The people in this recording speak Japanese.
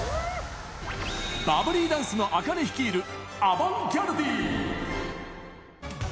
バブリーダンスのａｋａｎｅ率いるアバンギャルディ。